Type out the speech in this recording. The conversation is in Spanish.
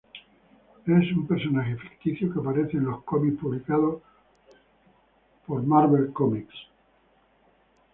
Es un personaje ficticio que aparece en los cómics publicados por Marvel Comics.